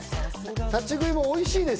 立ち食いもおいしい